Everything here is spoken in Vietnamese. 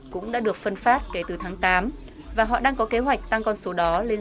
cũng đã được phân phát kể từ tháng tám và họ đang có kế hoạch tăng con số đó lên sáu